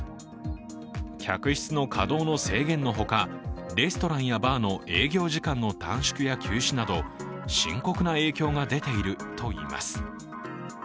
客室の稼働の制限のほか、レストランやバーの営業時間の短縮や休止など深刻な影響が出ているといいます。